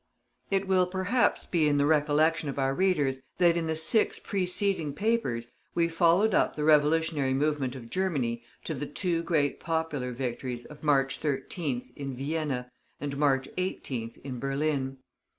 It will perhaps be in the recollection of our readers that in the six preceding papers we followed up the revolutionary movement of Germany to the two great popular victories of March 13th in Vienna, and March 18th in Berlin.